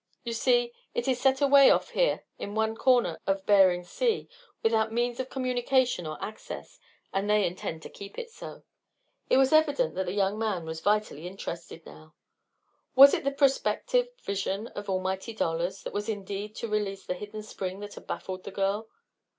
You see, it is set away off here in one corner of Behring Sea without means of communication or access, and they intend to keep it so." It was evident that the young man was vitally interested now. Was it the prospective vision of almighty dollars that was needed to release the hidden spring that had baffled the girl?